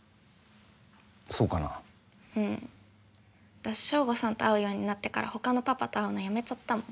私省吾さんと会うようになってからほかのパパと会うのやめちゃったもん。